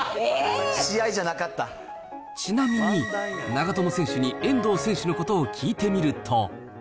ちなみに、長友選手に遠藤選手のことを聞いてみると。